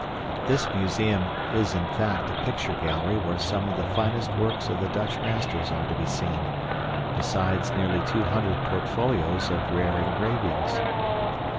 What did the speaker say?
This museum is in fact a picture gallery where some of the finest works of the Dutch masters are to be seen, besides nearly two hundred portfolios of rare engravings.